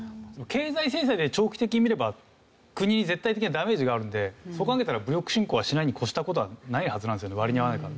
経済制裁で長期的に見れば国に絶対的なダメージがあるんでそこはだから武力侵攻はしないに越した事はないはずなんですよね割に合わないから。